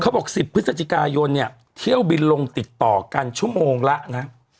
บอก๑๐พฤศจิกายนเนี่ยเที่ยวบินลงติดต่อกันชั่วโมงละนะ